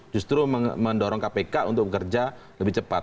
justru mendorong kpk untuk bekerja lebih cepat